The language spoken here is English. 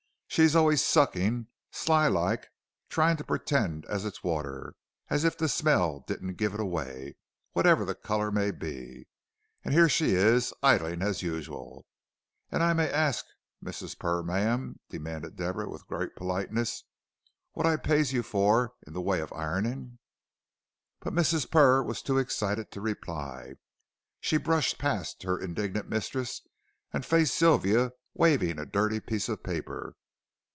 "She's allays suckin', sly like, tryin' to purtend as it's water, as if the smell didn't give it away, whatever the color may be. An' here she is, idling as usual. An' may I arsk, Mrs. Purr ma'am," demanded Deborah with great politeness, "wot I pays you fur in the way of ironin'?" But Mrs. Purr was too excited to reply. She brushed past her indignant mistress and faced Sylvia, waving a dirty piece of paper.